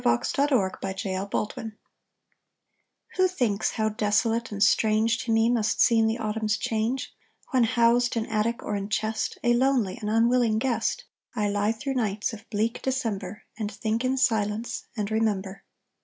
=The Hammock's Complaint= Who thinks how desolate and strange To me must seem the autumn's change, When housed in attic or in chest, A lonely and unwilling guest, I lie through nights of bleak December, And think in silence, and remember.